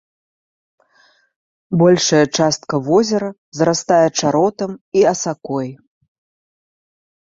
Большая частка возера зарастае чаротам і асакой.